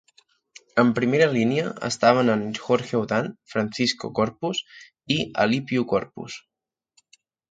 En primera línia estaven Jorge Udan, Francisco Corpus i Alipio Corpus.